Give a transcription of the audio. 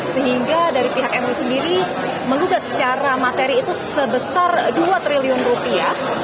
sehingga dari pihak mui sendiri menggugat secara materi itu sebesar dua triliun rupiah